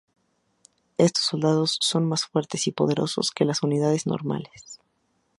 Estos soldados son más fuertes y poderosos que las unidades normales.